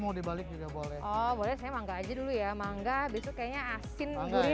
mau dibalik juga boleh oh boleh saya mangga aja dulu ya mangga besok kayaknya asin boleh